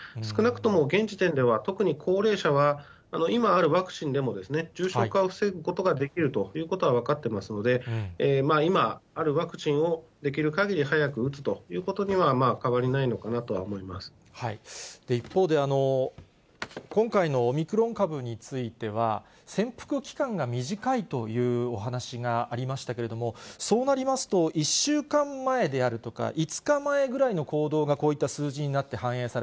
少なくとも現時点では、特に高齢者は今あるワクチンでも、重症化を防ぐことができるということは分かってますので、今あるワクチンを、できるかぎり早く打つということには変わりないのかなとは思いま一方で、今回のオミクロン株については、潜伏期間が短いというお話がありましたけれども、そうなりますと、１週間前であるとか、